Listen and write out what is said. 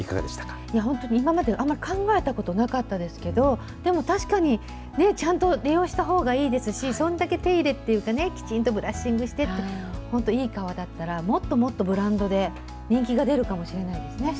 本当に、今まであんまり考えたことなかったですけども、でも確かに、ちゃんと利用したほうがいいですし、そんだけ手入れっていうかね、きちんとブラッシングしてって、本当いい皮だったら、もっともっとブランドで人気が出るかもしれそうですね。